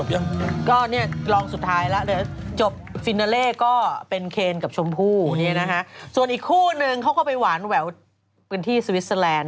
คุณเชิมผู้เล่นด้วยกันเป็นผู้กันเดี๋ยวจะถึงตอนเขาแล้วพอหมดคัมเทพเจ๋มแรง